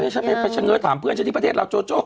ฉันเงินถามเพื่อนที่ประเทศเราโจโจ